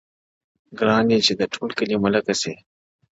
o گراني چي د ټول كلي ملكه سې ـ